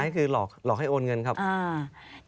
คือหลอกให้โอนเงินเกี่ยวกับท่าน